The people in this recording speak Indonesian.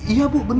iya bu bener